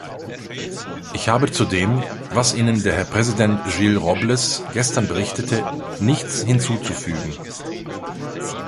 Ich habe zu dem, was Ihnen der Herr Präsident Gil-Robles gestern berichtete, nichts hinzuzufügen.